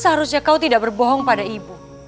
seharusnya kau tidak berbohong pada ibu